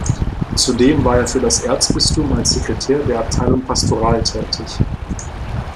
Zudem war er für das Erzbistum als Sekretär der Abteilung Pastoral tätig.